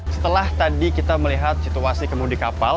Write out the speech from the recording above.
setelah tadi kita melihat situasi kemudi kapal